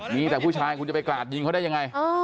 มีแต่ผู้ชายคุณจะไปกราดยิงเขาได้ยังไง